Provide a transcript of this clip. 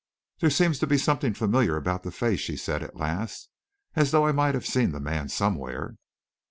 "There seems to be something familiar about the face," she said, at last, "as though I might have seen the man somewhere."